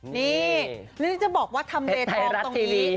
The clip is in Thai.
นี่หรือจะบอกว่าทำเลทองตรงนี้